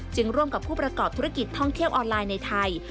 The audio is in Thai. ร่วมกับผู้ประกอบธุรกิจท่องเที่ยวออนไลน์ในไทย